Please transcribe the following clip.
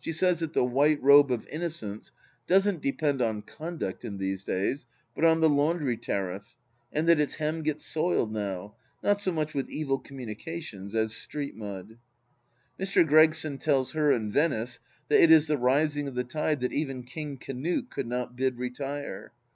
She says that the white robe of innocence doesn't depend on conduct in these days, but on the laimdry tariff, and that its hem gets soiled now — not so much with evil communications as street mud. ... Mr. Gregson tells her and Venice, that it is the rising of the tide that even King Canute could not bid retire.